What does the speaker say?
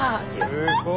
すごい。